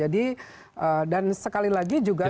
dan sekali lagi juga soal